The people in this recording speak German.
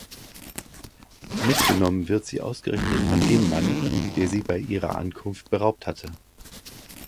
Mitgenommen wird sie ausgerechnet von dem Mann, der sie bei ihrer Ankunft beraubt hatte.